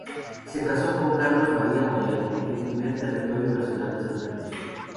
Se casó con Carlos María Moyano, primer del Territorio Nacional de Santa Cruz.